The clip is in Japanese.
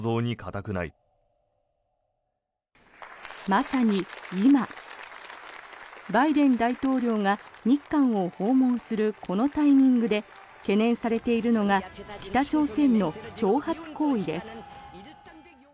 まさに今、バイデン大統領が日韓を訪問するこのタイミングで懸念されているのが北朝鮮の挑発行為です。